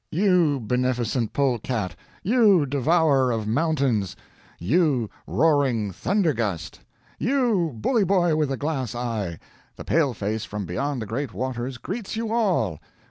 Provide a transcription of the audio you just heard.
You, Beneficent Polecat you, Devourer of Mountains you, Roaring Thundergust you, Bully Boy with a Glass eye the paleface from beyond the great waters greets you all!